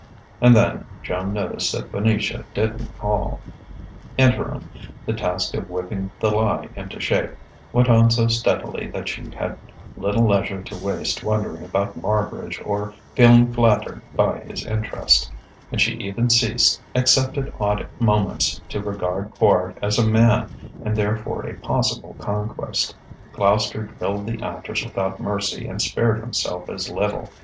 And then, Joan noticed that Venetia didn't call.... Interim, the task of whipping "The Lie" into shape went on so steadily that she had little leisure to waste wondering about Marbridge or feeling flattered by his interest; and she even ceased, except at odd moments, to regard Quard as a man and therefore a possible conquest: Gloucester drilled the actors without mercy and spared himself as little.